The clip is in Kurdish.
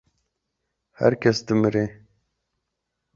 Her kes dimire.